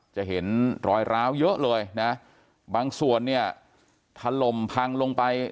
จะเห็นรอยร้าวเยอะเลยนะบางส่วนเนี่ยถล่มพังลงไป